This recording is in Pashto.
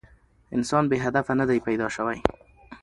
انسان بې هدفه نه دی پيداشوی